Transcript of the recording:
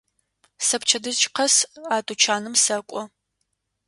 Сэ пчэдыжь къэс а тучаным сэкӏо.